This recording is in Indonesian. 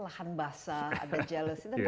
lahan basah ada jealousy